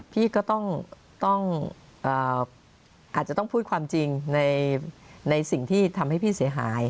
พี่ก็ต้องอาจจะต้องพูดความจริงในสิ่งที่ทำให้พี่เสียหาย